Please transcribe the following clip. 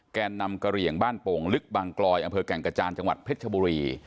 แก่นำกระเหลี่ยงบ้านโป่งลึกบางกลอยอำเภอแก่งกระจานจังหวัดเพชรชบุรี